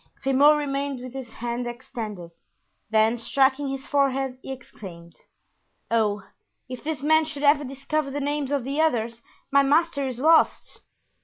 Grimaud remained with his hand extended; then, striking his forehead, he exclaimed: "Oh! if this man should ever discover the names of the others, my master is lost."